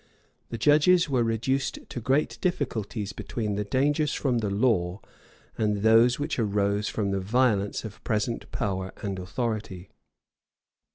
The judges were reduced to great difficulties between the dangers from the law, and those which arose from the violence of present power and authority.